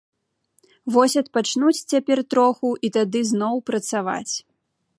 Вось адпачнуць цяпер троху і тады зноў працаваць.